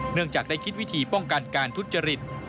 เนื่องจากได้คิดวิธีป้องกันการทุจริต